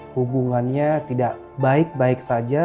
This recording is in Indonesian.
hubungannya tidak baik baik saja